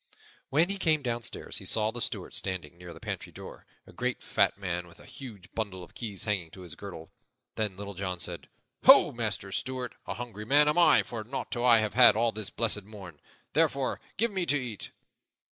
When he came downstairs he saw the Steward standing near the pantry door a great, fat man, with a huge bundle of keys hanging to his girdle. Then Little John said, "Ho, Master Steward, a hungry man am I, for nought have I had for all this blessed morn. Therefore, give me to eat."